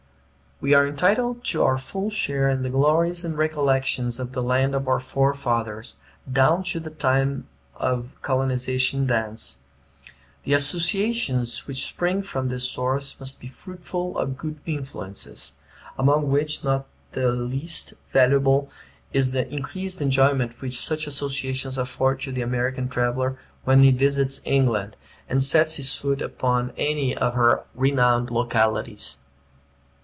We are entitled to our full share in the glories and recollections of the land of our forefathers, down to the time of colonization thence. The associations which spring from this source must be fruitful of good influences; among which not the least valuable is the increased enjoyment which such associations afford to the American traveller when he visits England, and sets his foot upon any of her renowned localities.